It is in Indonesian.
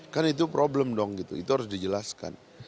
kan itu problem dong gitu itu harus dijelaskan